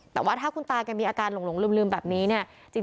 แต่ว่าถ้าคุณตาแกมีอาการหลงลืมแบบนี้เนี่ย